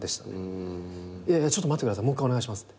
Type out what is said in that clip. いやいやちょっと待ってくださいもっかいお願いしますって。